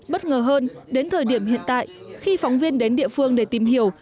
bất ngờ hơn đến thời điểm hiện tại khi phóng viên đến địa phương để tìm hiểu